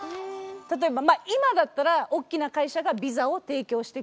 例えばまあ今だったら大きな会社がビザを提供してくれる。